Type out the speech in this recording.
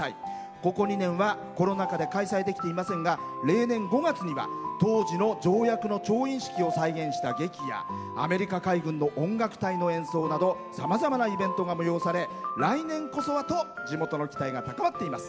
ここ２年はコロナ禍で開催できていませんが例年５月には当時の条約の調印式を再現した劇やアメリカ海軍の音楽隊の演奏などさまざまなイベントが催され来年こそはと地元の期待が高まっています。